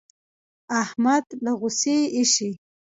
احمد له غوسې اېشي.